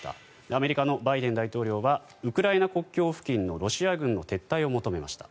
アメリカのバイデン大統領はウクライナ国境付近のロシア軍の撤退を求めました。